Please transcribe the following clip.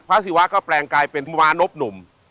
ศิวะก็แปลงกลายเป็นธุวานบหนุ่ม